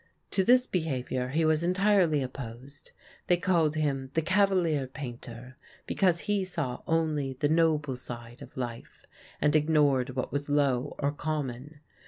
To this behavior he was entirely opposed. They called him the "Cavalier Painter" because he saw only the noble side of life, and ignored what was low or common.